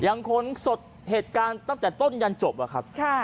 ขนสดเหตุการณ์ตั้งแต่ต้นยันจบอะครับ